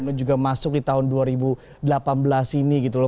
juga masuk di tahun dua ribu delapan belas ini gitu loh